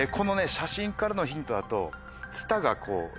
写真からのヒントだと。